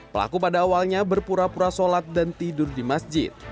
pelaku pada awalnya berpura pura sholat dan tidur di masjid